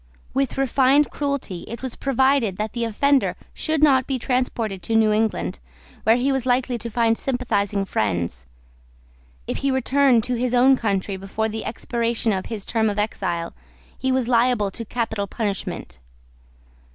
With refined cruelty it was provided that the offender should not be transported to New England, where he was likely to find sympathising friends. If he returned to his own country before the expiration of his term of exile, he was liable to capital punishment.